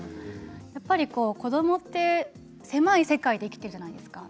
やっぱり子どもって狭い世界で生きているじゃないですか。